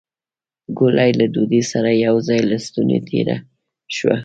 ګولۍ له ډوډۍ سره يو ځای له ستونې تېره شوه.